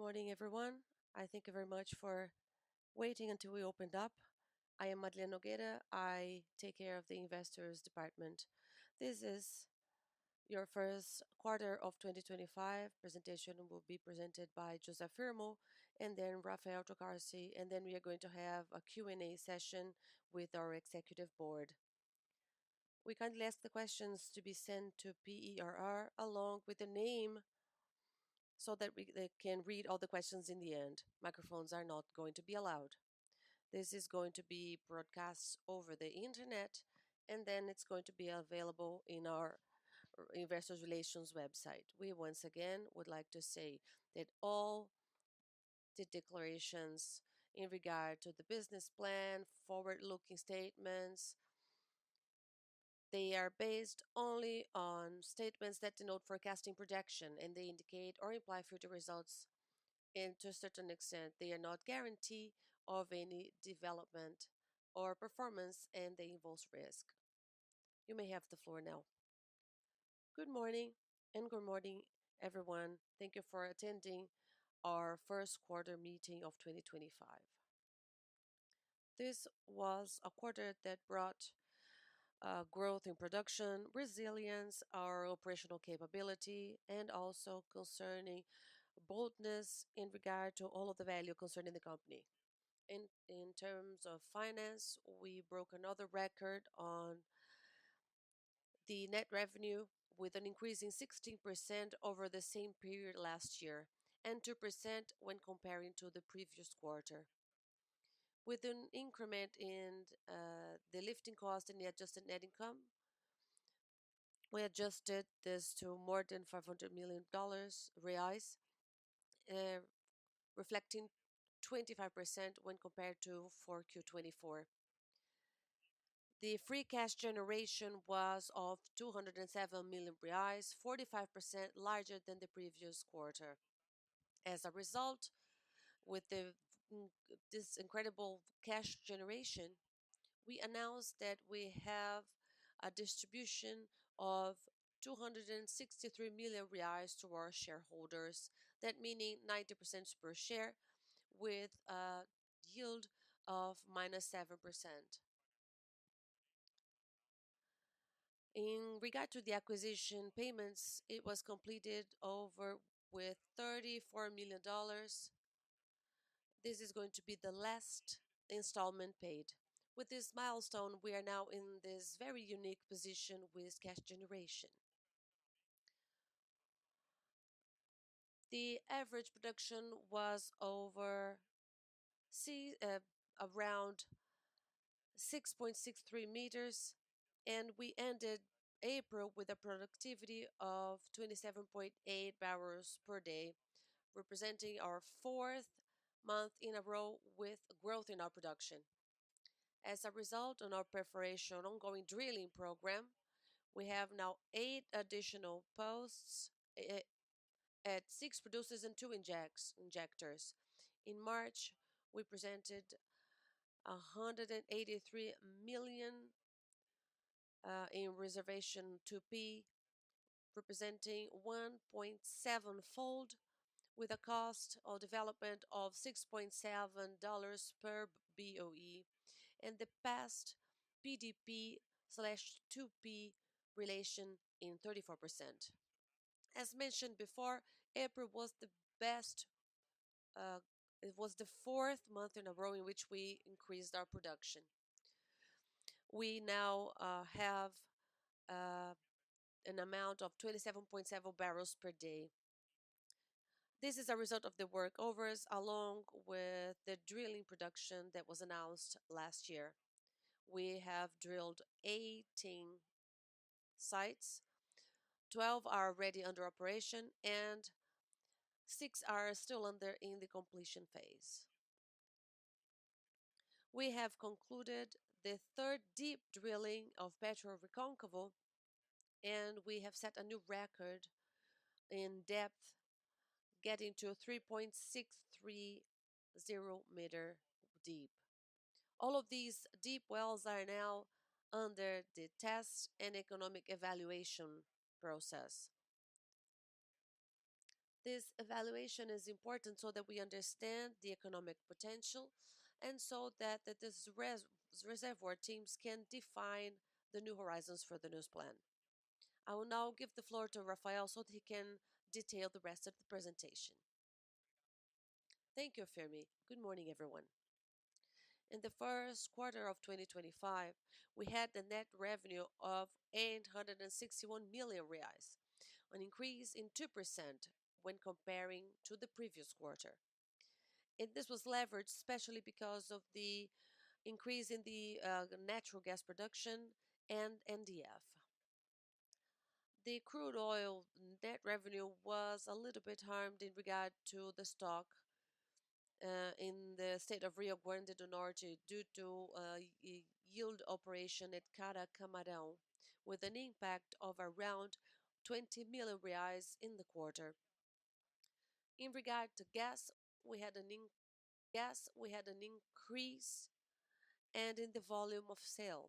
Good morning, everyone. I thank you very much for waiting until we opened up. I am Marilia Nogueira. I take care of the investors department. This is your first quarter of 2025. Presentation will be presented by José Firmo, and then Rafael Procaci. And then we are going to have a Q&A session with our executive board. We kindly ask the questions to be sent to PERR along with the name so that we can read all the questions in the end. Microphones are not going to be allowed. This is going to be broadcast over the internet, and then it's going to be available on our investors relations website. We once again would like to say that all the declarations in regard to the business plan, forward-looking statements, they are based only on statements that denote forecasting projection, and they indicate or imply future results to a certain extent. They are not a guarantee of any development or performance, and they involve risk. You may have the floor now. Good morning, and good morning, everyone. Thank you for attending our first quarter meeting of 2025. This was a quarter that brought growth in production, resilience, our operational capability, and also concerning boldness in regard to all of the value concerning the company. In terms of finance, we broke another record on the net revenue with an increase in 16% over the same period last year and 2% when comparing to the previous quarter. With an increment in the lifting cost and the adjusted net income, we adjusted this to more than $500 million, reflecting 25% when compared to 4Q 2024. The free cash generation was of 207 million reais, 45% larger than the previous quarter. As a result, with this incredible cash generation, we announced that we have a distribution of 263 million reais to our shareholders, that meaning 0.90 per share with a yield of minus 7%. In regard to the acquisition payments, it was completed over with $34 million. This is going to be the last installment paid. With this milestone, we are now in this very unique position with cash generation. The average production was over around 6.63 m, and we ended April with a productivity of 27.8 barrels per day, representing our fourth month in a row with growth in our production. As a result, on our preparation ongoing drilling program, we have now eight additional posts at six producers and two injectors. In March, we presented 183 million in reservation to 2P, representing 1.7-fold with a cost of development of $6.7 per BOE and the past PDP/2P relation in 34%. As mentioned before, April was the best. It was the fourth month in a row in which we increased our production. We now have an amount of 27.7 barrels per day. This is a result of the workovers along with the drilling production that was announced last year. We have drilled 18 sites. Twelve are already under operation, and six are still in the completion phase. We have concluded the third deep drilling of PetroReconcavo, and we have set a new record in depth, getting to 3,630 meters deep. All of these deep wells are now under the test and economic evaluation process. This evaluation is important so that we understand the economic potential and so that the reservoir teams can define the new horizons for the news plan. I will now give the floor to Rafael so that he can detail the rest of the presentation. Thank you, Firmo. Good morning, everyone. In the first quarter of 2025, we had the net revenue of 861 million reais, an increase of 2% when comparing to the previous quarter. This was leveraged especially because of the increase in the natural gas production and NDF. The crude oil net revenue was a little bit harmed in regard to the stock in the state of Rio Grande do Norte due to yield operation at Cara Camarão, with an impact of around 20 million reais in the quarter. In regard to gas, we had an increase in the volume of sale,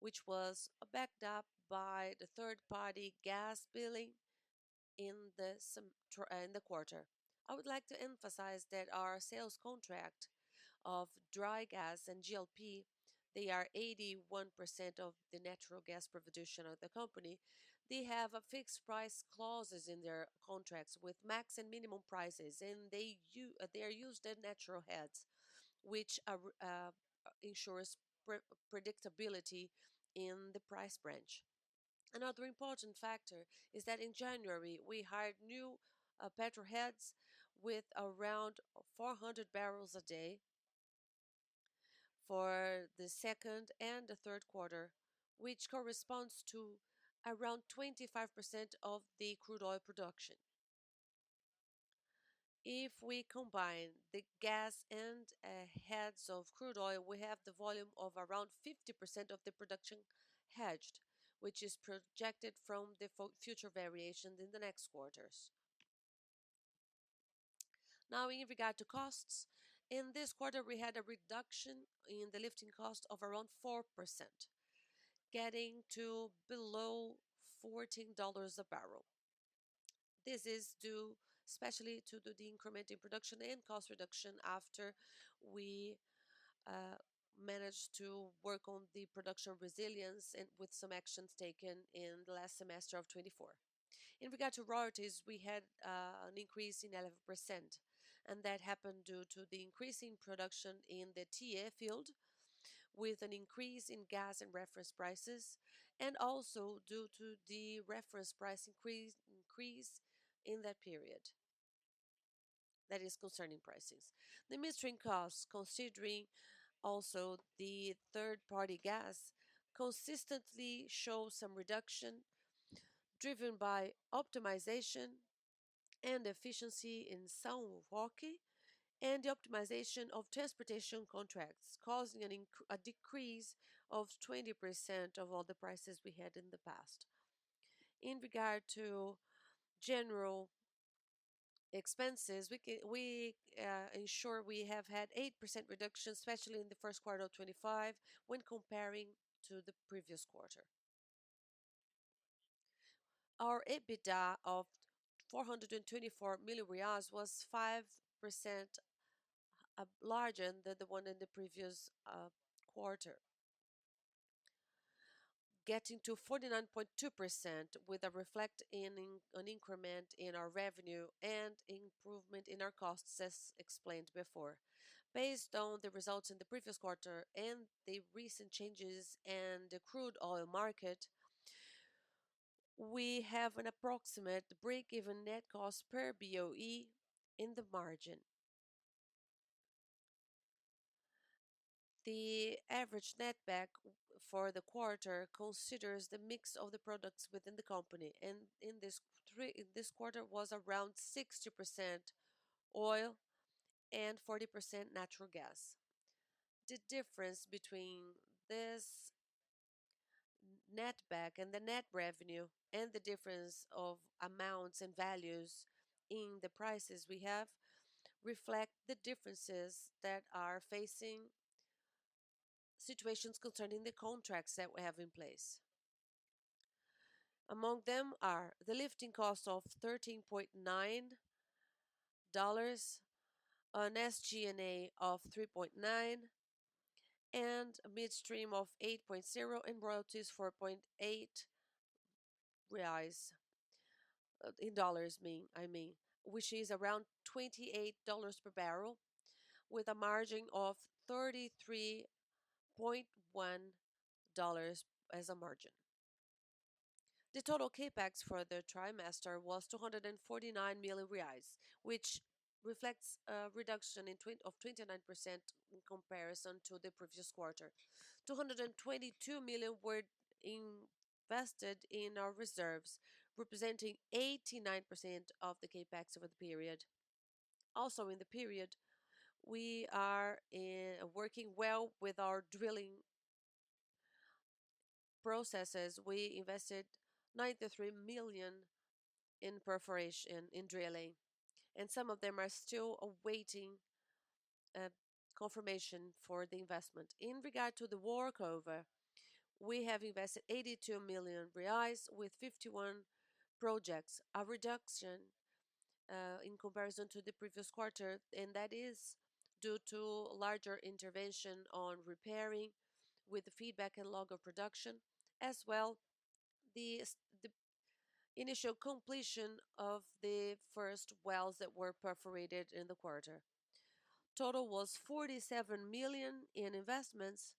which was backed up by the third-party gas billing in the quarter. I would like to emphasize that our sales contract of dry gas and GLP, they are 81% of the natural gas provision of the company. They have fixed price clauses in their contracts with max and minimum prices, and they are used at natural gas, which ensures predictability in the price branch. Another important factor is that in January, we hired new petrol heads with around 400 barrels a day for the second and the third quarter, which corresponds to around 25% of the crude oil production. If we combine the gas and heads of crude oil, we have the volume of around 50% of the production hedged, which is projected from the future variations in the next quarters. Now, in regard to costs, in this quarter, we had a reduction in the lifting cost of around 4%, getting to below $14 a barrel. This is due especially to the increment in production and cost reduction after we managed to work on the production resilience and with some actions taken in the last semester of 2024. In regard to royalties, we had an increase in 11%, and that happened due to the increase in production in the Tiê field with an increase in gas and reference prices and also due to the reference price increase in that period that is concerning prices. The missing costs, considering also the third-party gas, consistently show some reduction driven by optimization and efficiency in San Joaquin and the optimization of transportation contracts, causing a decrease of 20% of all the prices we had in the past. In regard to general expenses, we ensure we have had 8% reduction, especially in the first quarter of 2025 when comparing to the previous quarter. Our EBITDA of BRL 424 million was 5% larger than the one in the previous quarter, getting to 49.2% with a reflect in an increment in our revenue and improvement in our costs, as explained before. Based on the results in the previous quarter and the recent changes in the crude oil market, we have an approximate break-even net cost per BOE in the margin. The average net back for the quarter considers the mix of the products within the company. In this quarter, it was around 60% oil and 40% natural gas. The difference between this net back and the net revenue and the difference of amounts and values in the prices we have reflects the differences that are facing situations concerning the contracts that we have in place. Among them are the lifting cost of $13.9, an SG&A of 3.9, and midstream of 8.0, and royalties 4.8 reais in dollars, I mean, which is around $28 per barrel with a margin of $33.1 as a margin. The total CapEx for the trimester was 249 million reais, which reflects a reduction of 29% in comparison to the previous quarter. 222 million were invested in our reserves, representing 89% of the CapEx over the period. Also, in the period, we are working well with our drilling processes. We invested 93 million in perforation and drilling, and some of them are still awaiting confirmation for the investment. In regard to the workover, we have invested 82 million reais with 51 projects, a reduction in comparison to the previous quarter, and that is due to larger intervention on repairing with the feedback and log of production, as well as the initial completion of the first wells that were perforated in the quarter. Total was 47 million in investments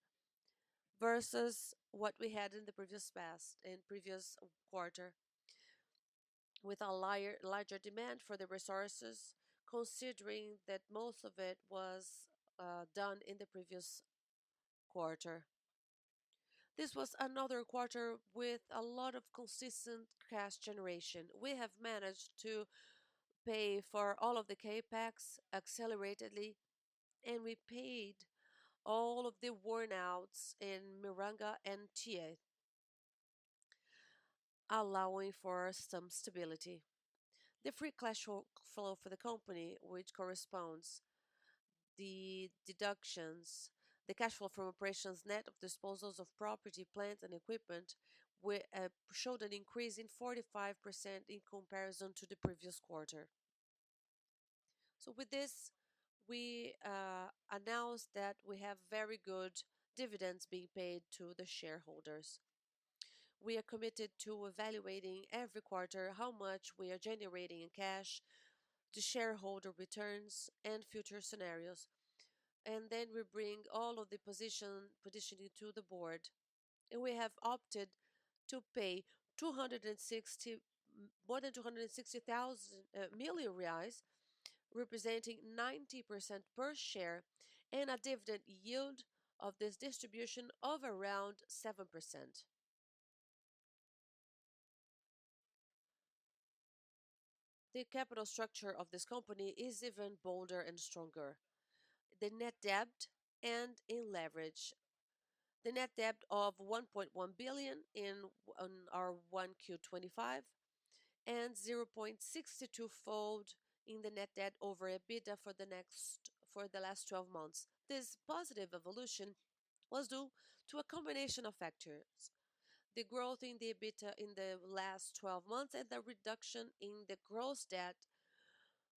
versus what we had in the previous quarter, with a larger demand for the resources, considering that most of it was done in the previous quarter. This was another quarter with a lot of consistent cash generation. We have managed to pay for all of the CapEx acceleratedly, and we paid all of the worn-outs in Miranga and Tiê, allowing for some stability. The free cash flow for the company, which corresponds to the deductions, the cash flow from operations net of disposals of property, plants, and equipment, showed an increase of 45% in comparison to the previous quarter. With this, we announced that we have very good dividends being paid to the shareholders. We are committed to evaluating every quarter how much we are generating in cash, the shareholder returns, and future scenarios. We bring all of the positioning to the board. We have opted to pay more than 260 million reais, representing 0.90 per share and a dividend yield of this distribution of around 7%. The capital structure of this company is even bolder and stronger. The net debt and in leverage, the net debt of 1.1 billion in our 1Q 2025 and 0.62-fold in the net debt over EBITDA for the last 12 months. This positive evolution was due to a combination of factors: the growth in the EBITDA in the last 12 months and the reduction in the gross debt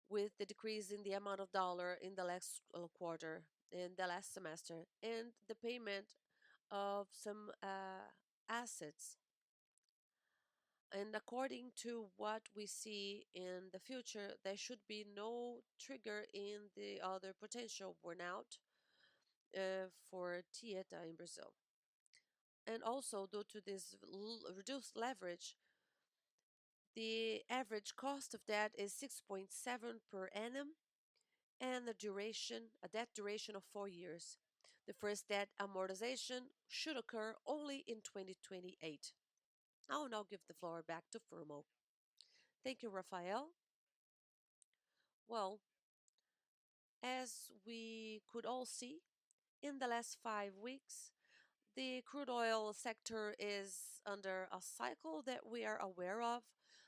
with the decrease in the amount of dollar in the last quarter, in the last semester, and the payment of some assets. According to what we see in the future, there should be no trigger in the other potential burnout for Tiê in Brazil. Also, due to this reduced leverage, the average cost of debt is 6.7% per annum and a debt duration of four years. The first debt amortization should occur only in 2028. I will now give the floor back to Firmo. Thank you, Rafael. As we could all see, in the last five weeks, the crude oil sector is under a cycle that we are aware of,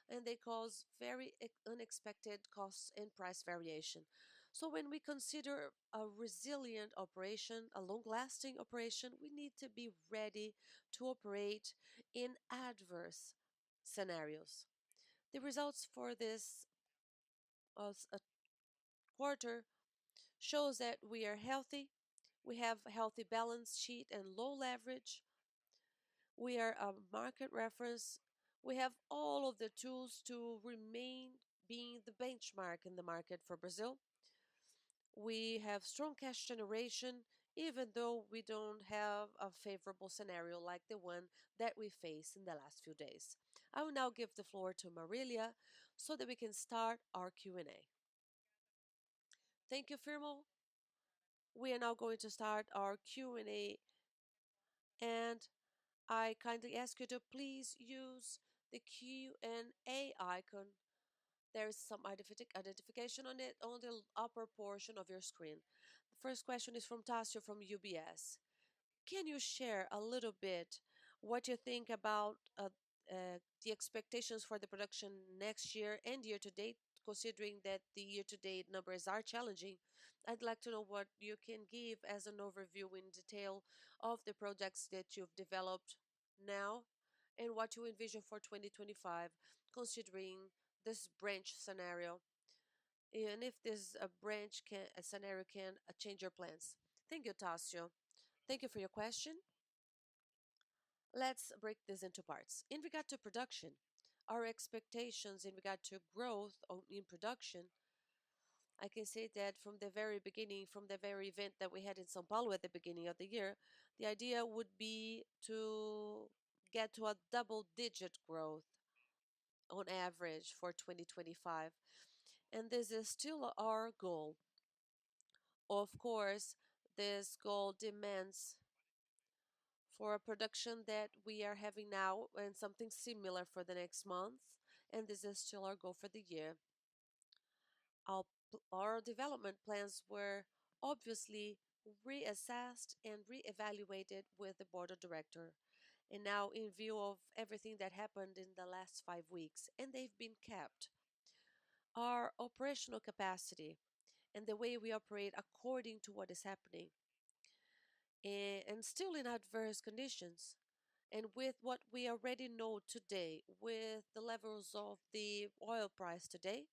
and they cause very unexpected costs and price variation. When we consider a resilient operation, a long-lasting operation, we need to be ready to operate in adverse scenarios. The results for this quarter show that we are healthy. We have a healthy balance sheet and low leverage. We are a market reference. We have all of the tools to remain being the benchmark in the market for Brazil. We have strong cash generation, even though we do not have a favorable scenario like the one that we faced in the last few days. I will now give the floor to Marilia so that we can start our Q&A. Thank you, Firmo. We are now going to start our Q&A, and I kindly ask you to please use the Q&A icon. There is some identification on it on the upper portion of your screen. The first question is from Tasos from UBS. Can you share a little bit what you think about the expectations for the production next year and year-to-date, considering that the year-to-date numbers are challenging? I'd like to know what you can give as an overview in detail of the projects that you've developed now and what you envision for 2025, considering this branch scenario and if this branch scenario can change your plans. Thank you. Tasio. Thank you for your question. Let's break this into parts. In regard to production, our expectations in regard to growth in production, I can say that from the very beginning, from the very event that we had in São Paulo at the beginning of the year, the idea would be to get to a double-digit growth on average for 2025. This is still our goal. Of course, this goal demands for a production that we are having now and something similar for the next month. This is still our goal for the year. Our development plans were obviously reassessed and reevaluated with the board of directors. Now, in view of everything that happened in the last five weeks, and they've been kept, our operational capacity and the way we operate according to what is happening and still in adverse conditions and with what we already know today with the levels of the oil price today,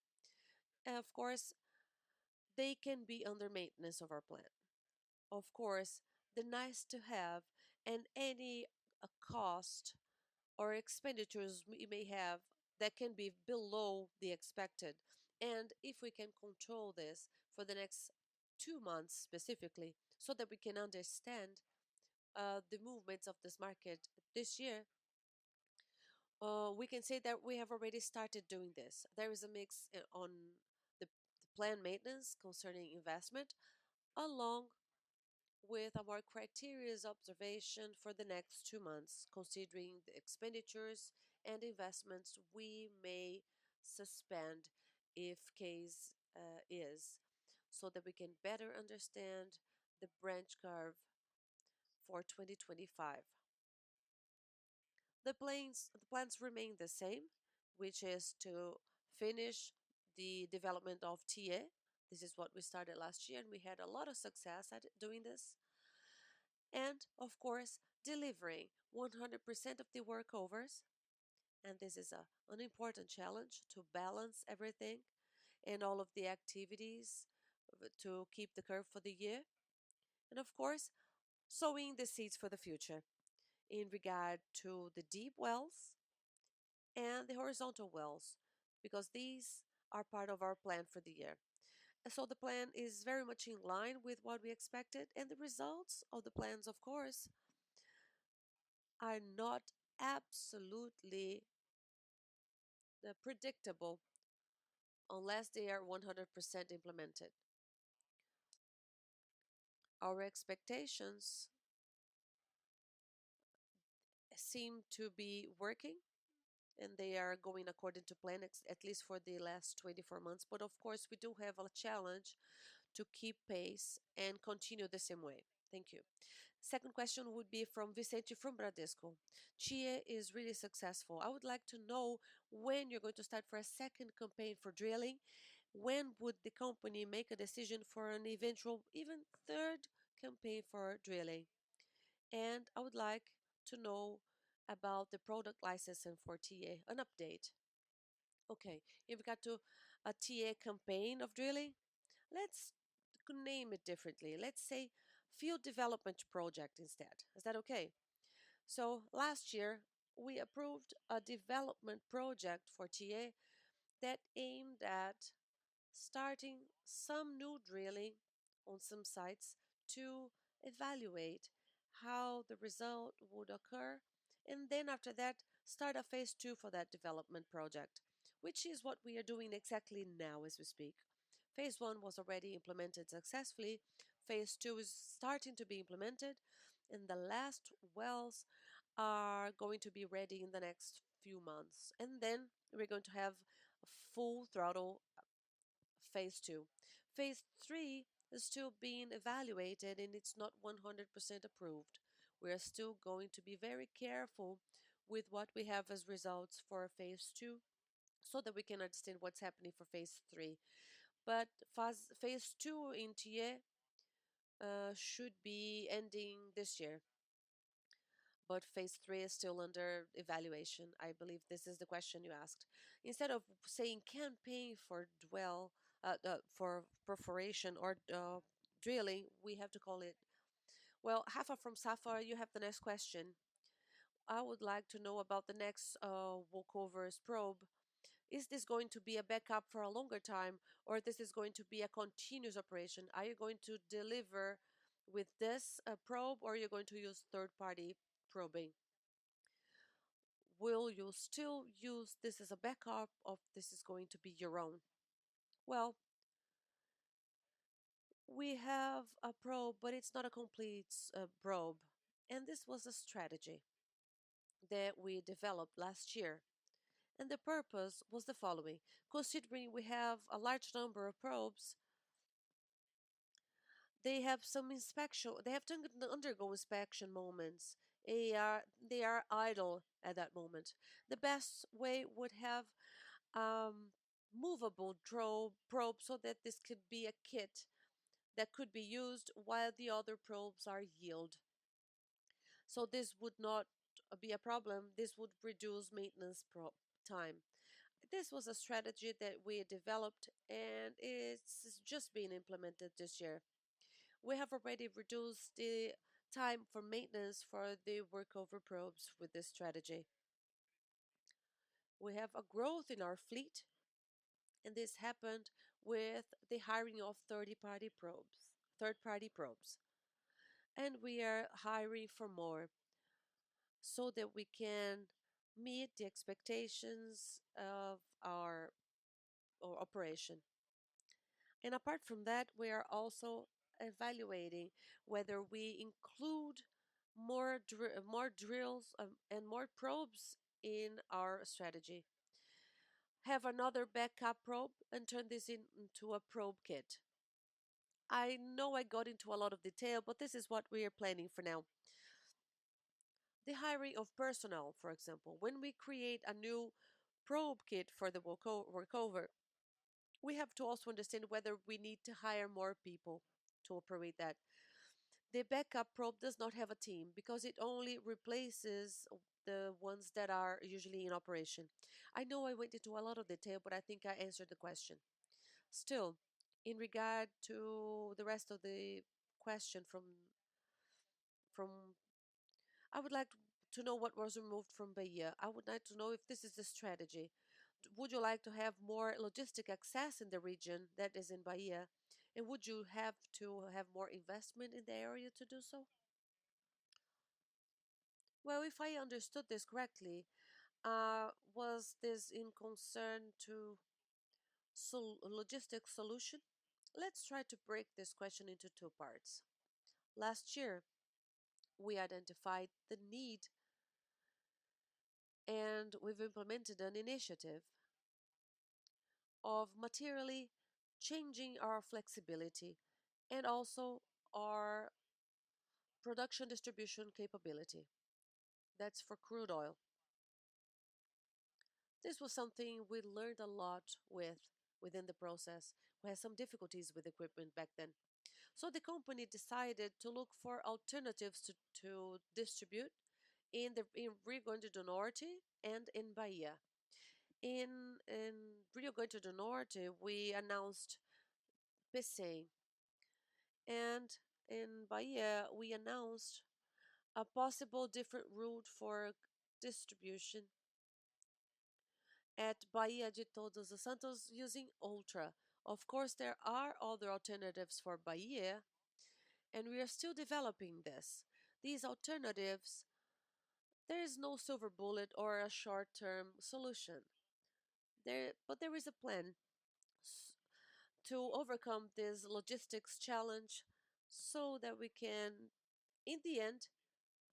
of course, they can be under maintenance of our plant. Of course, the nice-to-have and any cost or expenditures we may have that can be below the expected. If we can control this for the next two months specifically so that we can understand the movements of this market this year, we can say that we have already started doing this. There is a mix on the plant maintenance concerning investment along with our criteria's observation for the next two months, considering the expenditures and investments we may suspend if case is, so that we can better understand the branch curve for 2025. The plans remain the same, which is to finish the development of Tiê. This is what we started last year, and we had a lot of success at doing this. Of course, delivering 100% of the workovers. This is an important challenge to balance everything and all of the activities to keep the curve for the year. Of course, sowing the seeds for the future in regard to the deep wells and the horizontal wells because these are part of our plan for the year. The plan is very much in line with what we expected. The results of the plans, of course, are not absolutely predictable unless they are 100% implemented. Our expectations seem to be working, and they are going according to plan, at least for the last 24 months. We do have a challenge to keep pace and continue the same way. Thank you. Second question would be from Vicente from Bradesco. Tiê is really successful. I would like to know when you're going to start for a second campaign for drilling. When would the company make a decision for an eventual, even third campaign for drilling? I would like to know about the product licensing for Tiê, an update. Okay. In regard to a Tiê campaign of drilling, let's name it differently. Let's say field development project instead. Is that okay? Last year, we approved a development project for Tiê that aimed at starting some new drilling on some sites to evaluate how the result would occur. After that, start a phase II for that development project, which is what we are doing exactly now as we speak. Phase I was already implemented successfully. Phase II is starting to be implemented. The last wells are going to be ready in the next few months. We are going to have full throttle phase II. Phase III is still being evaluated, and it's not 100% approved. We are still going to be very careful with what we have as results for phase II so that we can understand what's happening for phase III. PhaseII in Tiê should be ending this year. Phase III is still under evaluation. I believe this is the question you asked. Instead of saying campaign for perforation or drilling, we have to call it. Hafa from Safra, you have the next question. I would like to know about the next workover's probe. Is this going to be a backup for a longer time, or is this going to be a continuous operation? Are you going to deliver with this probe, or are you going to use third-party probing? Will you still use this as a backup, or is this going to be your own? We have a probe, but it's not a complete probe. This was a strategy that we developed last year. The purpose was the following. Considering we have a large number of probes, they have some inspection; they have to undergo inspection moments. They are idle at that moment. The best way would have movable probes so that this could be a kit that could be used while the other probes are idle. This would not be a problem. This would reduce maintenance time. This was a strategy that we developed, and it has just been implemented this year. We have already reduced the time for maintenance for the workover probes with this strategy. We have a growth in our fleet, and this happened with the hiring of third-party probes. We are hiring for more so that we can meet the expectations of our operation. Apart from that, we are also evaluating whether we include more drills and more probes in our strategy. Have another backup probe and turn this into a probe kit. I know I got into a lot of detail, but this is what we are planning for now. The hiring of personnel, for example, when we create a new probe kit for the workover, we have to also understand whether we need to hire more people to operate that. The backup probe does not have a team because it only replaces the ones that are usually in operation. I know I went into a lot of detail, but I think I answered the question. Still, in regard to the rest of the question from, I would like to know what was removed from Bahia. I would like to know if this is a strategy. Would you like to have more logistic access in the region that is in Bahia? Would you have to have more investment in the area to do so? If I understood this correctly, was this in concern to logistic solution? Let's try to break this question into two parts. Last year, we identified the need, and we have implemented an initiative of materially changing our flexibility and also our production distribution capability. That is for crude oil. This was something we learned a lot within the process. We had some difficulties with equipment back then. The company decided to look for alternatives to distribute in Rio Grande do Norte and in Bahia. In Rio Grande do Norte, we announced PCE. In Bahia, we announced a possible different route for distribution at Bahia de Todos os Santos using Ultrapar. Of course, there are other alternatives for Bahia, and we are still developing this. These alternatives, there is no silver bullet or a short-term solution. There is a plan to overcome this logistics challenge so that we can, in the end,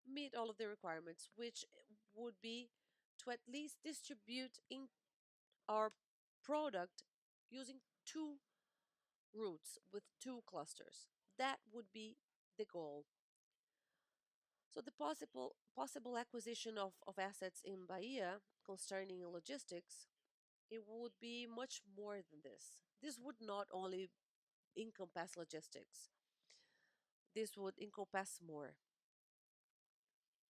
meet all of the requirements, which would be to at least distribute our product using two routes with two clusters. That would be the goal. The possible acquisition of assets in Bahia concerning logistics, it would be much more than this. This would not only encompass logistics. This would encompass more.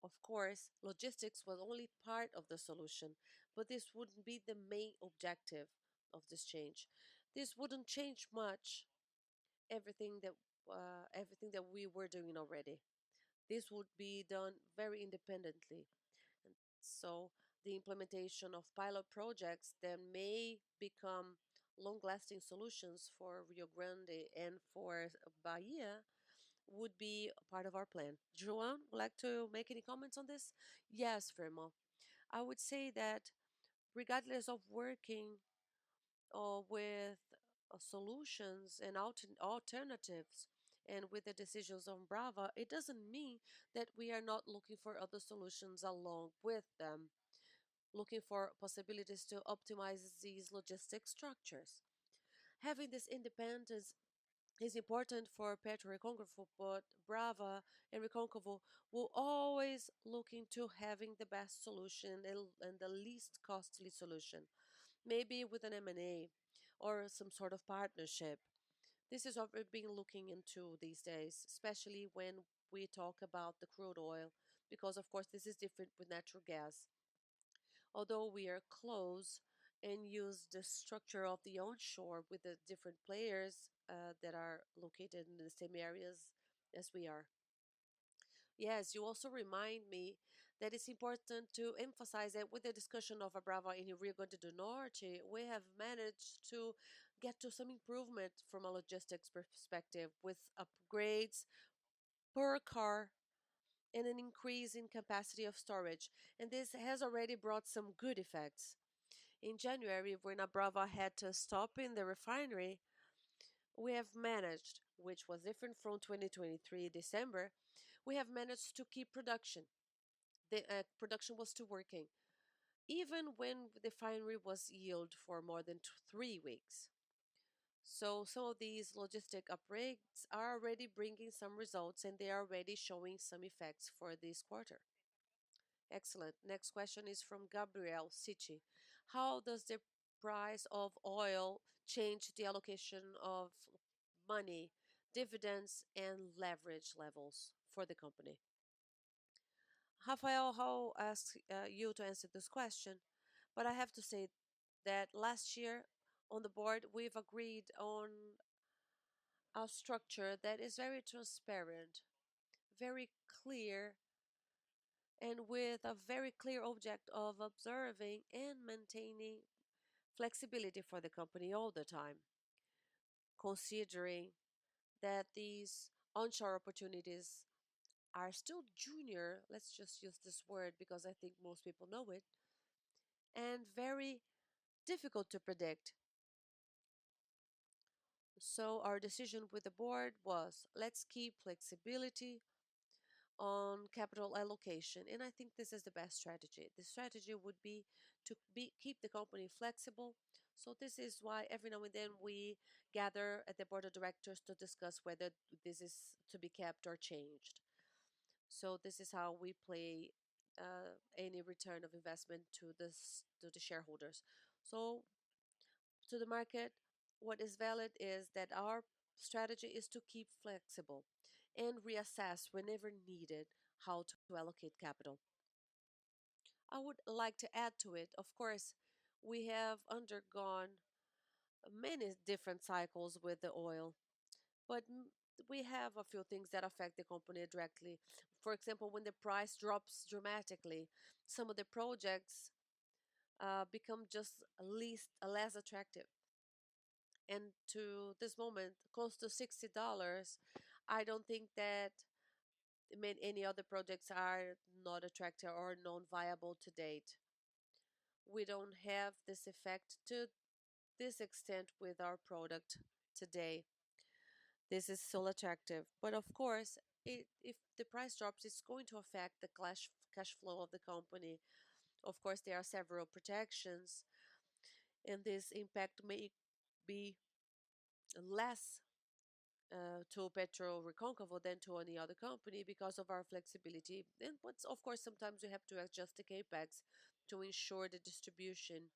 Of course, logistics was only part of the solution, but this would not be the main objective of this change. This would not change much, everything that we were doing already. This would be done very independently. The implementation of pilot projects that may become long-lasting solutions for Rio Grande do Norte and for Bahia would be part of our plan. João, would you like to make any comments on this? Yes, Firmo. I would say that regardless of working with solutions and alternatives and with the decisions on BR Distribuidora, it does not mean that we are not looking for other solutions along with them, looking for possibilities to optimize these logistics structures. Having this independence is important for PetroReconcavo, but BR Distribuidora and PetroReconcavo will always look into having the best solution and the least costly solution, maybe with an M&A or some sort of partnership. This is what we have been looking into these days, especially when we talk about the crude oil, because, of course, this is different with natural gas. Although we are close and use the structure of the onshore with the different players that are located in the same areas as we are. Yes, you also remind me that it's important to emphasize that with the discussion of Bravo and Rio Grande do Norte, we have managed to get to some improvement from a logistics perspective with upgrades per car and an increase in capacity of storage. This has already brought some good effects. In January, when Bravo had to stop in the refinery, we have managed, which was different from 2023 December, we have managed to keep production. The production was still working, even when the refinery was yield for more than three weeks. Some of these logistic upgrades are already bringing some results, and they are already showing some effects for this quarter. Excellent. Next question is from Gabriel Citi. How does the price of oil change the allocation of money, dividends, and leverage levels for the company? Rafael, I'll ask you to answer this question, but I have to say that last year on the board, we've agreed on a structure that is very transparent, very clear, and with a very clear objective of observing and maintaining flexibility for the company all the time, considering that these onshore opportunities are still junior, let's just use this word because I think most people know it, and very difficult to predict. Our decision with the board was, let's keep flexibility on capital allocation. I think this is the best strategy. The strategy would be to keep the company flexible. This is why every now and then we gather at the board of directors to discuss whether this is to be kept or changed. This is how we play any return of investment to the shareholders. To the market, what is valid is that our strategy is to keep flexible and reassess whenever needed how to allocate capital. I would like to add to it, of course, we have undergone many different cycles with the oil, but we have a few things that affect the company directly. For example, when the price drops dramatically, some of the projects become just less attractive. To this moment, close to $60, I do not think that many other projects are not attractive or non-viable to date. We do not have this effect to this extent with our product today. This is still attractive. Of course, if the price drops, it is going to affect the cash flow of the company. Of course, there are several protections, and this impact may be less to PetroReconcavo than to any other company because of our flexibility. Of course, sometimes we have to adjust the CapEx to ensure the distribution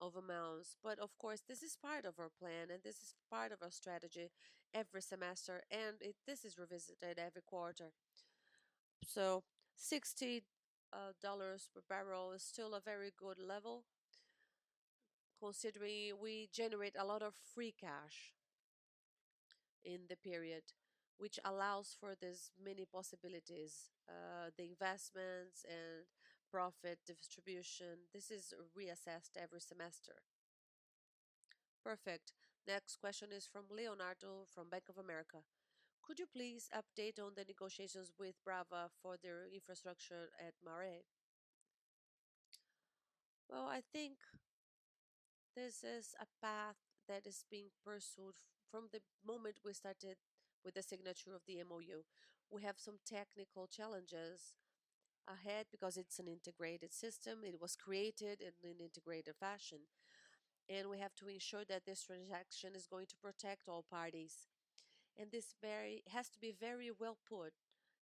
of amounts. Of course, this is part of our plan, and this is part of our strategy every semester, and this is revisited every quarter. $60 per barrel is still a very good level, considering we generate a lot of free cash in the period, which allows for these many possibilities, the investments and profit distribution. This is reassessed every semester. Perfect. Next question is from Leonardo from Bank of America. Could you please update on the negotiations with BR Distribuidora for their infrastructure at Marais? I think this is a path that is being pursued from the moment we started with the signature of the MoU. We have some technical challenges ahead because it's an integrated system. It was created in an integrated fashion. We have to ensure that this transaction is going to protect all parties. This has to be very well put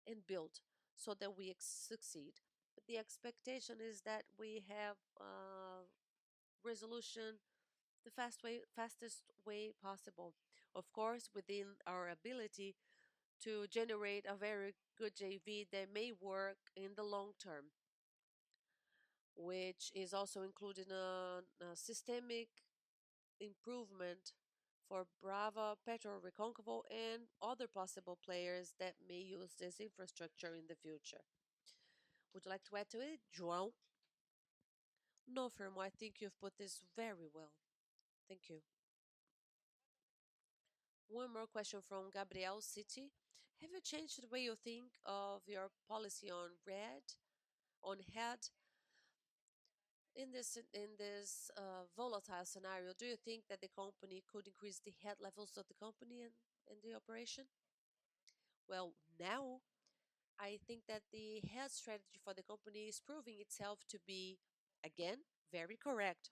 and built so that we succeed. The expectation is that we have resolution the fastest way possible. Of course, within our ability to generate a very good JV that may work in the long term, which is also including a systemic improvement for BR Distribuidora, PetroReconcavo, and other possible players that may use this infrastructure in the future. Would you like to add to it, João? No, Firmo. I think you've put this very well. Thank you. One more question from Gabriel Citi. Have you changed the way you think of your policy on head? In this volatile scenario, do you think that the company could increase the hedge levels of the company and the operation? I think that the hedge strategy for the company is proving itself to be, again, very correct.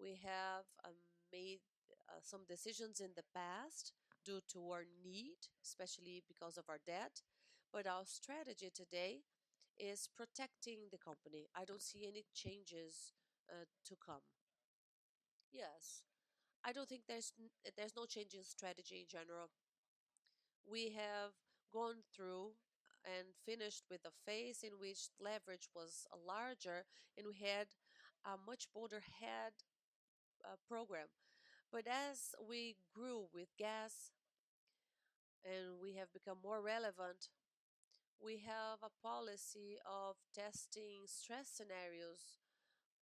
We have made some decisions in the past due to our need, especially because of our debt. Our strategy today is protecting the company. I do not see any changes to come. Yes. I do not think there is any change in strategy in general. We have gone through and finished with a phase in which leverage was larger, and we had a much broader hedge program. As we grew with gas and we have become more relevant, we have a policy of testing stress scenarios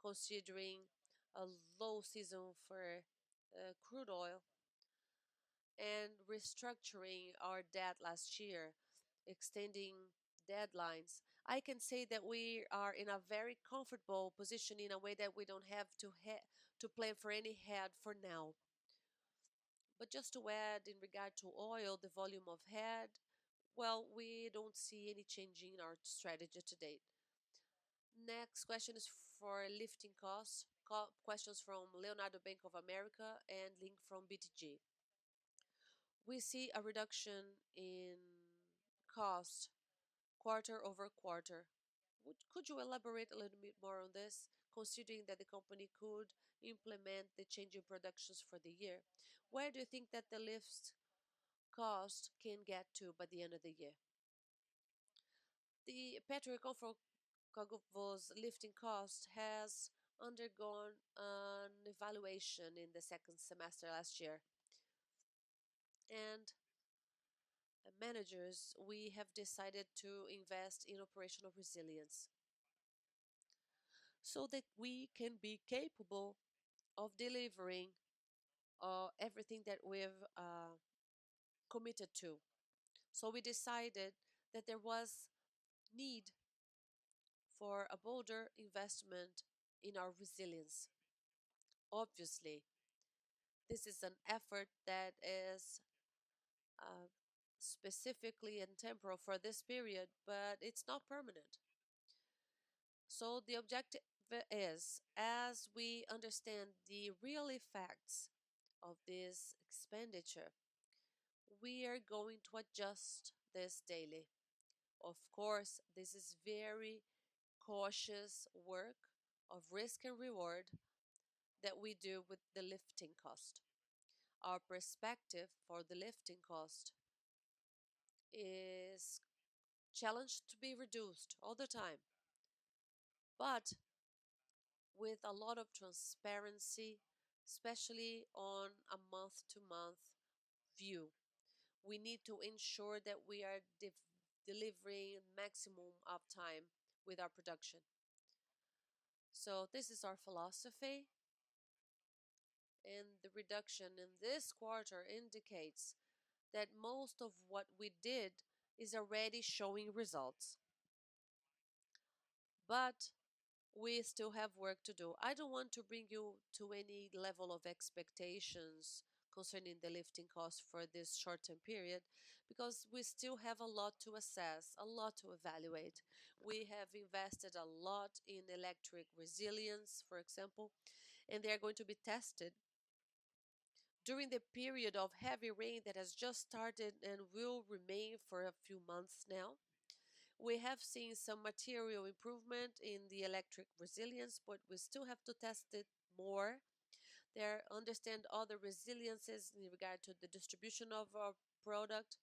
considering a low season for crude oil and restructuring our debt last year, extending deadlines. I can say that we are in a very comfortable position in a way that we do not have to plan for any hedging for now. Just to add, in regard to oil, the volume of hedging, we do not see any change in our strategy to date. Next question is for lifting costs. Questions from Leonardo Bank of America and Link from BTG. We see a reduction in cost quarter-over-quarter. Could you elaborate a little bit more on this, considering that the company could implement the change in productions for the year? Where do you think that the lifting cost can get to by the end of the year? The PetroReconcavo lifting cost has undergone an evaluation in the second semester last year. As managers, we have decided to invest in operational resilience so that we can be capable of delivering everything that we have committed to. We decided that there was need for a bolder investment in our resilience. Obviously, this is an effort that is specifically intemporal for this period, but it is not permanent. The objective is, as we understand the real effects of this expenditure, we are going to adjust this daily. Of course, this is very cautious work of risk and reward that we do with the lifting cost. Our perspective for the lifting cost is challenged to be reduced all the time. With a lot of transparency, especially on a month-to-month view, we need to ensure that we are delivering maximum uptime with our production. This is our philosophy. The reduction in this quarter indicates that most of what we did is already showing results. We still have work to do. I don't want to bring you to any level of expectations concerning the lifting cost for this short-term period because we still have a lot to assess, a lot to evaluate. We have invested a lot in electric resilience, for example, and they are going to be tested during the period of heavy rain that has just started and will remain for a few months now. We have seen some material improvement in the electric resilience, but we still have to test it more. There are other resiliences in regard to the distribution of our product.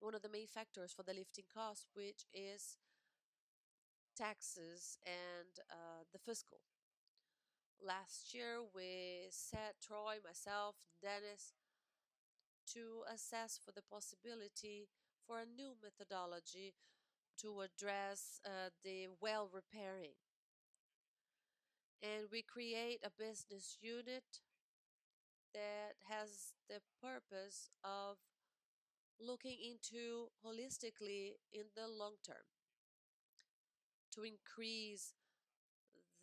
One of the main factors for the lifting cost, which is taxes and the fiscal. Last year, we set Troy, myself, Dennys to assess for the possibility for a new methodology to address the well repairing. We create a business unit that has the purpose of looking into holistically in the long term to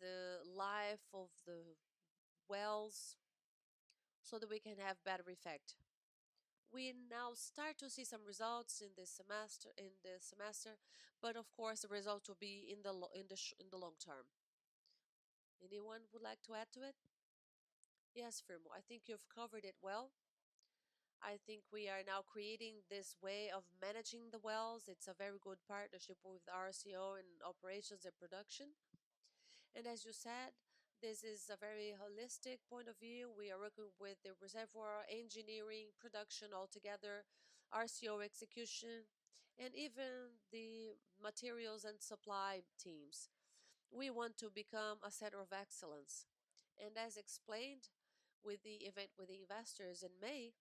increase the life of the wells so that we can have better effect. We now start to see some results in the semester, but of course, the result will be in the long term. Anyone would like to add to it? Yes, Firmo. I think you've covered it well. I think we are now creating this way of managing the wells. It's a very good partnership with RCO and operations and production. As you said, this is a very holistic point of view. We are working with the reservoir engineering, production altogether, RCO execution, and even the materials and supply teams. We want to become a center of excellence. As explained with the event with the investors in May,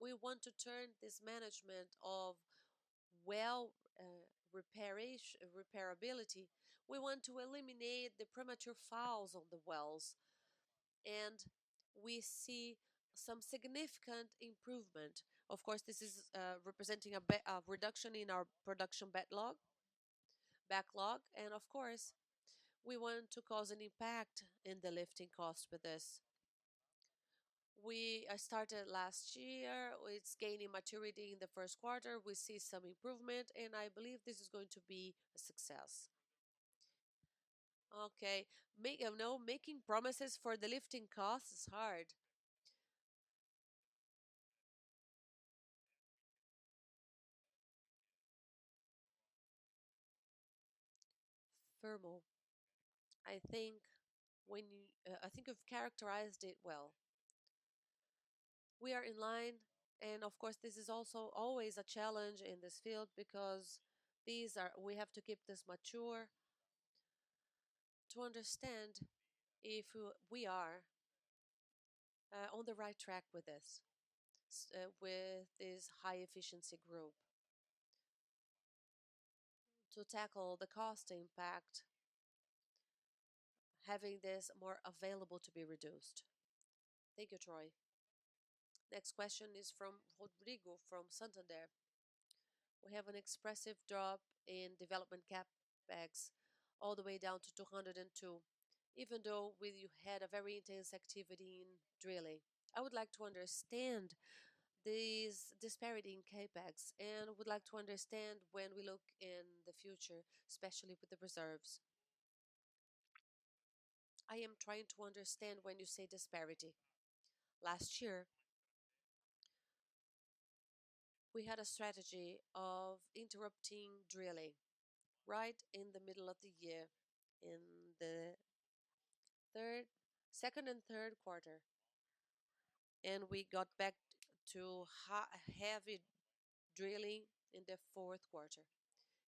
we want to turn this management of well repairability. We want to eliminate the premature fouls on the wells. We see some significant improvement. Of course, this is representing a reduction in our production backlog. We want to cause an impact in the lifting cost with this. We started last year. It is gaining maturity in the first quarter. We see some improvement, and I believe this is going to be a success. Okay. Making promises for the lifting cost is hard. Firmo, I think you've characterized it well. We are in line, and this is also always a challenge in this field because we have to keep this mature to understand if we are on the right track with this, with this high-efficiency group, to tackle the cost impact, having this more available to be reduced. Thank you, Troy. Next question is from Rodrigo from Santander. We have an expressive drop in development CapEx all the way down to 202 million, even though we had a very intense activity in drilling. I would like to understand this disparity in CapEx and would like to understand when we look in the future, especially with the reserves. I am trying to understand when you say disparity. Last year, we had a strategy of interrupting drilling right in the middle of the year in the second and third quarter. We got back to heavy drilling in the fourth quarter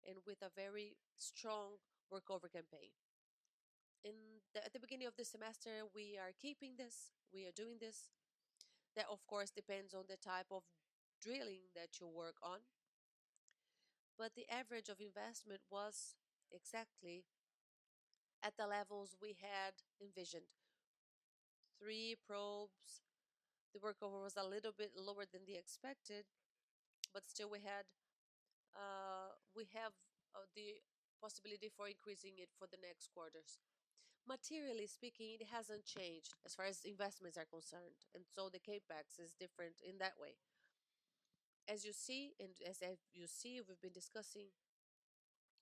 and with a very strong workover campaign. At the beginning of the semester, we are keeping this. We are doing this. That, of course, depends on the type of drilling that you work on. The average of investment was exactly at the levels we had envisioned. Three probes. The workover was a little bit lower than expected, but still we have the possibility for increasing it for the next quarters. Materially speaking, it has not changed as far as investments are concerned. The CapEx is different in that way. As you see, and as you see, we have been discussing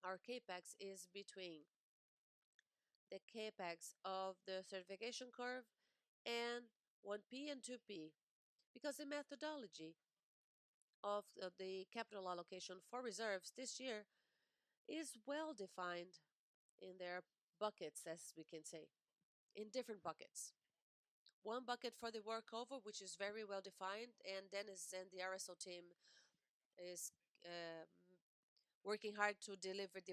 our CapEx is between the CapEx of the certification curve and 1P and 2P because the methodology of the capital allocation for reserves this year is well-defined in their buckets, as we can say, in different buckets. One bucket for the workover, which is very well-defined, and Dennys and the RSO team are working hard to deliver the 100%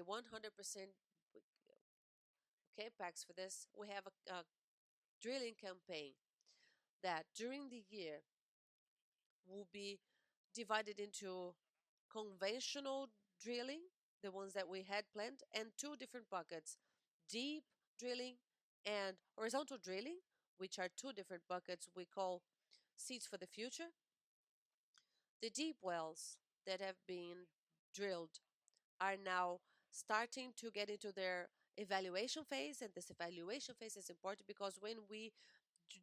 CapEx for this. We have a drilling campaign that during the year will be divided into conventional drilling, the ones that we had planned, and two different buckets, deep drilling and horizontal drilling, which are two different buckets we call seeds for the future. The deep wells that have been drilled are now starting to get into their evaluation phase. This evaluation phase is important because when we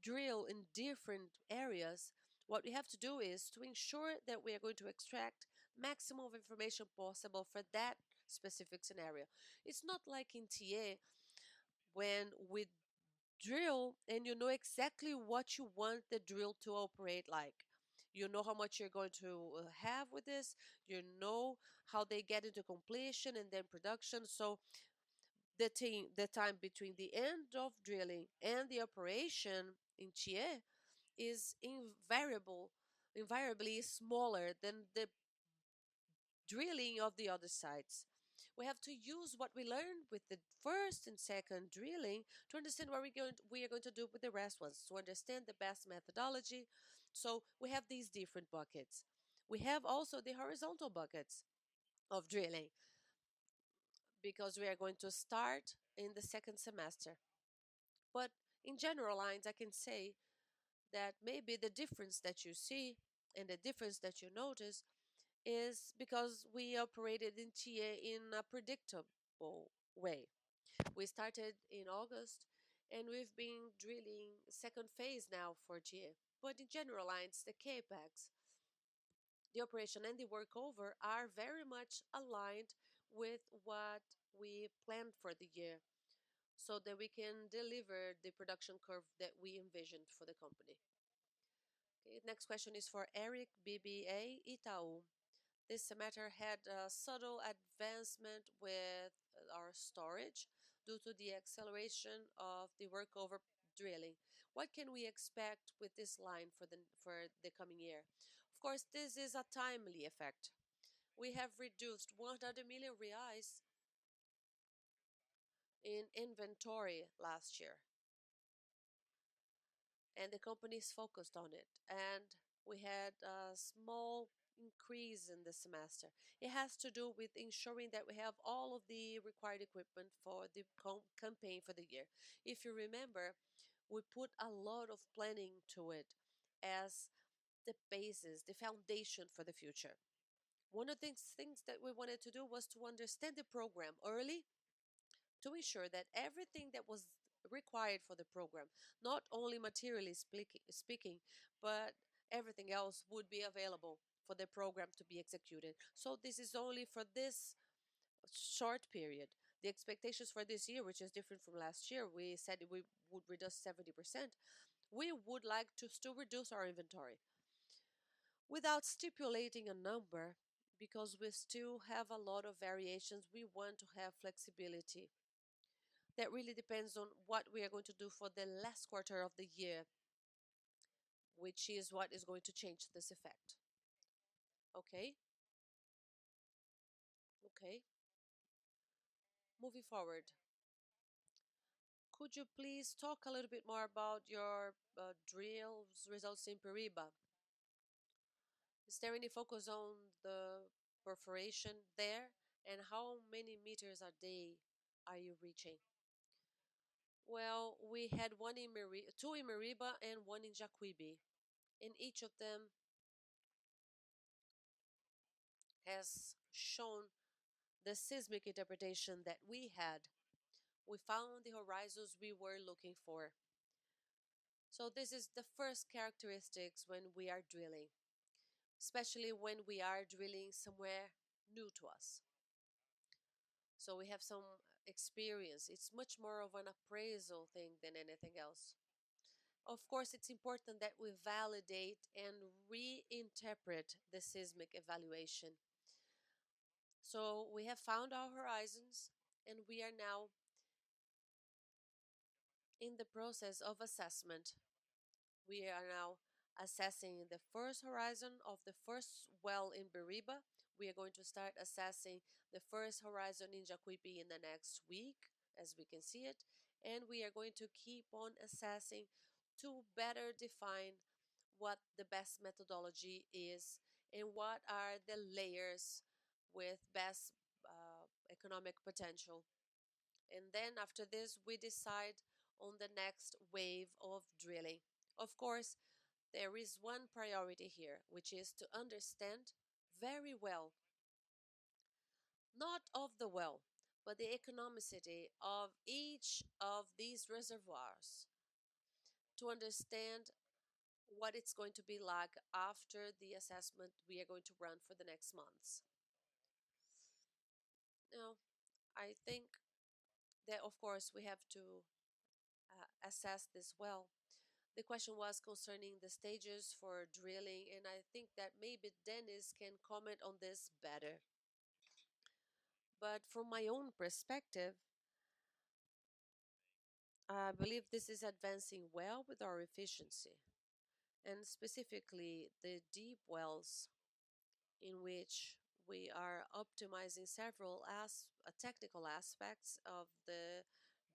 drill in different areas, what we have to do is to ensure that we are going to extract maximum information possible for that specific scenario. It's not like in Tiê when we drill and you know exactly what you want the drill to operate like. You know how much you're going to have with this. You know how they get into completion and then production. The time between the end of drilling and the operation in Tiê is invariably smaller than the drilling of the other sites. We have to use what we learned with the first and second drilling to understand what we are going to do with the rest, to understand the best methodology. We have these different buckets. We also have the horizontal buckets of drilling because we are going to start in the second semester. In general lines, I can say that maybe the difference that you see and the difference that you notice is because we operated in Tiê in a predictable way. We started in August, and we have been drilling second phase now for Tiê. In general lines, the CapEx, the operation, and the workover are very much aligned with what we planned for the year so that we can deliver the production curve that we envisioned for the company. Next question is for Eric BBA Itau. This semester had a subtle advancement with our storage due to the acceleration of the workover drilling. What can we expect with this line for the coming year? Of course, this is a timely effect. We have reduced 100 million reais in inventory last year, and the company is focused on it. We had a small increase in the semester. It has to do with ensuring that we have all of the required equipment for the campaign for the year. If you remember, we put a lot of planning to it as the basis, the foundation for the future. One of the things that we wanted to do was to understand the program early to ensure that everything that was required for the program, not only materially speaking, but everything else would be available for the program to be executed. This is only for this short period. The expectations for this year, which is different from last year, we said we would reduce 70%. We would like to still reduce our inventory without stipulating a number because we still have a lot of variations. We want to have flexibility. That really depends on what we are going to do for the last quarter of the year, which is what is going to change this effect. Okay? Okay. Moving forward. Could you please talk a little bit more about your drill results in Periba? Is there any focus on the perforation there and how many meters a day are you reaching? We had two in Periba and one in Jacuípe. Each of them has shown the seismic interpretation that we had. We found the horizons we were looking for. This is the first characteristic when we are drilling, especially when we are drilling somewhere new to us. We have some experience. It's much more of an appraisal thing than anything else. Of course, it's important that we validate and reinterpret the seismic evaluation. We have found our horizons, and we are now in the process of assessment. We are now assessing the first horizon of the first well in Periba. We are going to start assessing the first horizon in Jacuípe in the next week, as we can see it. We are going to keep on assessing to better define what the best methodology is and what are the layers with best economic potential. After this, we decide on the next wave of drilling. Of course, there is one priority here, which is to understand very well, not of the well, but the economicity of each of these reservoirs to understand what it is going to be like after the assessment we are going to run for the next months. I think that, of course, we have to assess this well. The question was concerning the stages for drilling, and I think that maybe Dennys can comment on this better. From my own perspective, I believe this is advancing well with our efficiency, and specifically the deep wells in which we are optimizing several technical aspects of the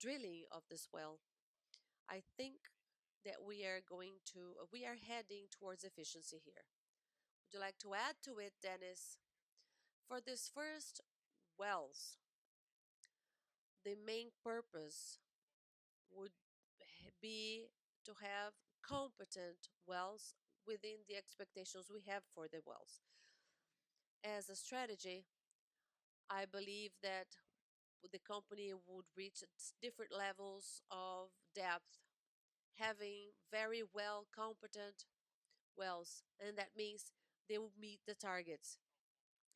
drilling of this well. I think that we are heading towards efficiency here. Would you like to add to it, Dennys? For these first wells, the main purpose would be to have competent wells within the expectations we have for the wells. As a strategy, I believe that the company would reach different levels of depth, having very well-competent wells, and that means they will meet the targets.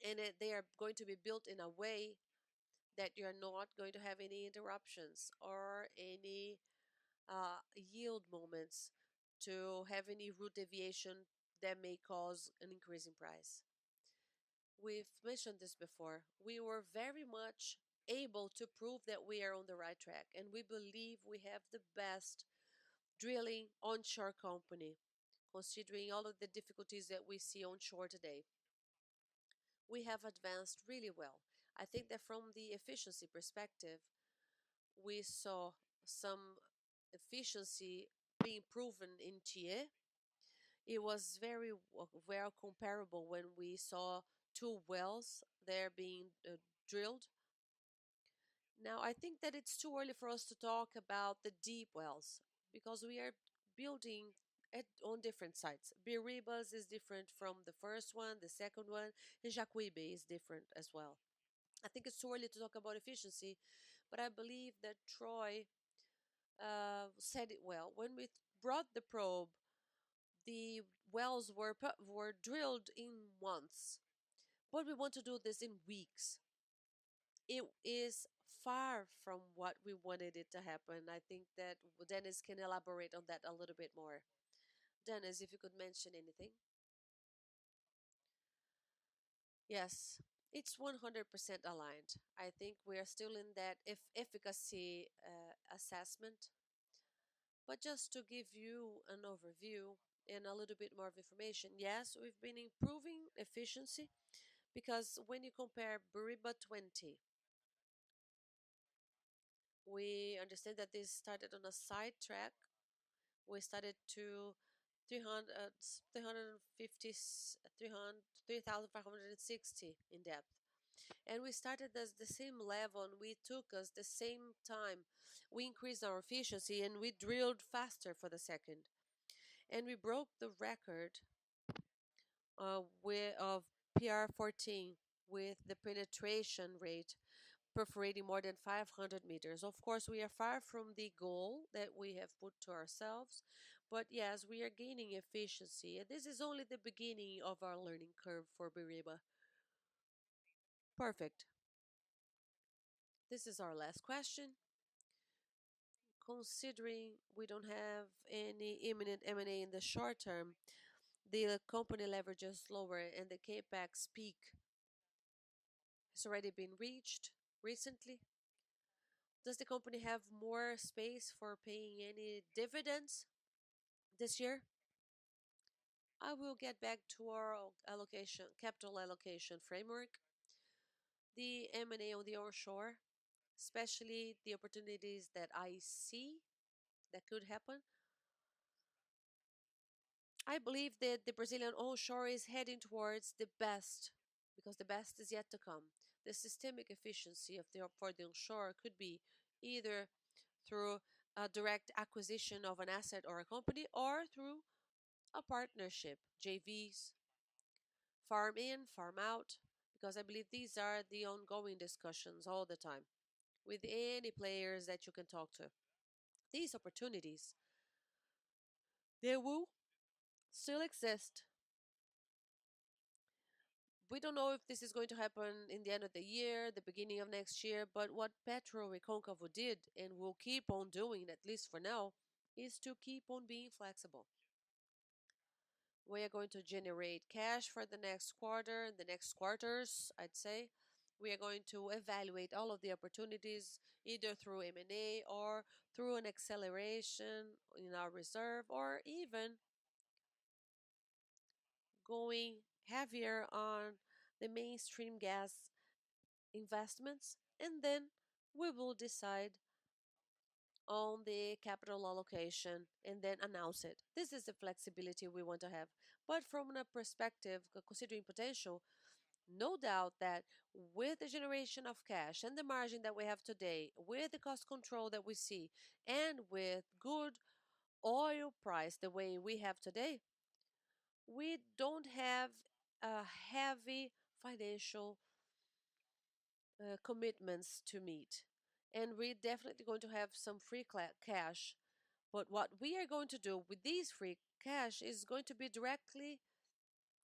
They are going to be built in a way that you are not going to have any interruptions or any yield moments to have any root deviation that may cause an increase in price. We have mentioned this before. We were very much able to prove that we are on the right track, and we believe we have the best drilling onshore company, considering all of the difficulties that we see onshore today. We have advanced really well. I think that from the efficiency perspective, we saw some efficiency being proven in Tiê. It was very well comparable when we saw two wells there being drilled. Now, I think that it's too early for us to talk about the deep wells because we are building on different sites. Periba's is different from the first one, the second one, and Jacuípe is different as well. I think it's too early to talk about efficiency, but I believe that Troy said it well. When we brought the probe, the wells were drilled in months. We want to do this in weeks. It is far from what we wanted it to happen. I think that Dennys can elaborate on that a little bit more. Dennys, if you could mention anything. Yes. It's 100% aligned. I think we are still in that efficacy assessment. Just to give you an overview and a little bit more of information, yes, we've been improving efficiency because when you compare Periba 20, we understand that this started on a side track. We started to 3,560 in depth. We started at the same level, and it took us the same time. We increased our efficiency, and we drilled faster for the second. We broke the record of PR 14 with the penetration rate perforating more than 500 meters. Of course, we are far from the goal that we have put to ourselves. Yes, we are gaining efficiency. This is only the beginning of our learning curve for Periba. Perfect. This is our last question. Considering we do not have any imminent M&A in the short term, the company leverage is lower, and the CapEx peak has already been reached recently. Does the company have more space for paying any dividends this year? I will get back to our capital allocation framework, the M&A on the onshore, especially the opportunities that I see that could happen. I believe that the Brazilian onshore is heading towards the best because the best is yet to come. The systemic efficiency for the onshore could be either through a direct acquisition of an asset or a company or through a partnership, JVs, farm in, farm out, because I believe these are the ongoing discussions all the time with any players that you can talk to. These opportunities, they will still exist. We do not know if this is going to happen in the end of the year, the beginning of next year, but what PetroReconcavo did and will keep on doing, at least for now, is to keep on being flexible. We are going to generate cash for the next quarter, the next quarters, I'd say. We are going to evaluate all of the opportunities either through M&A or through an acceleration in our reserve or even going heavier on the mainstream gas investments. Then we will decide on the capital allocation and then announce it. This is the flexibility we want to have. From a perspective, considering potential, no doubt that with the generation of cash and the margin that we have today, with the cost control that we see, and with good oil price the way we have today, we do not have heavy financial commitments to meet. We are definitely going to have some free cash. What we are going to do with this free cash is going to be directly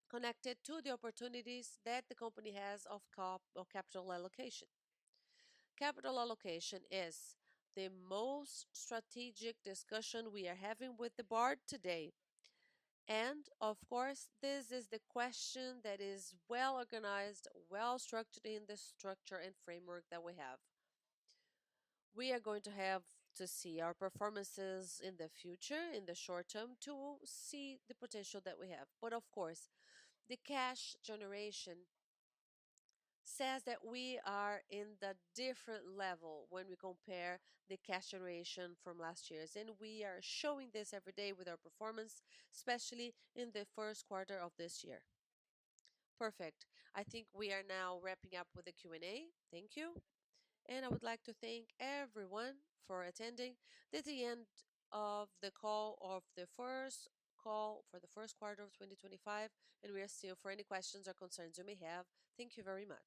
connected to the opportunities that the company has of capital allocation. Capital allocation is the most strategic discussion we are having with the board today. Of course, this is the question that is well organized, well structured in the structure and framework that we have. We are going to have to see our performances in the future, in the short term, to see the potential that we have. Of course, the cash generation says that we are in a different level when we compare the cash generation from last year's. We are showing this every day with our performance, especially in the first quarter of this year. Perfect. I think we are now wrapping up with the Q&A. Thank you. I would like to thank everyone for attending. This is the end of the call of the first call for the first quarter of 2025. We are still here for any questions or concerns you may have. Thank you very much.